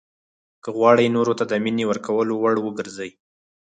که غواړئ نورو ته د مینې ورکولو وړ وګرځئ.